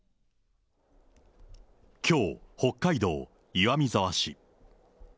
きょう、北海道岩見沢市。